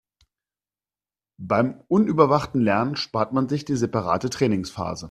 Beim unüberwachten Lernen spart man sich die separate Trainingsphase.